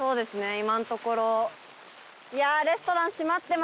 今のところ。